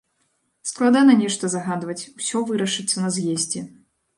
Складана нешта загадваць, усё вырашыцца на з'ездзе.